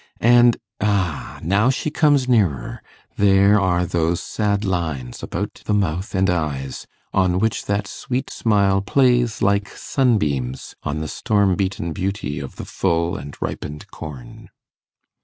And, ah! now she comes nearer there are those sad lines about the mouth and eyes on which that sweet smile plays like sunbeams on the storm beaten beauty of the full and ripened corn.